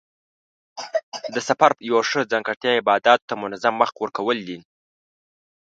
د سفر یوه ښه ځانګړتیا عباداتو ته منظم وخت ورکول دي.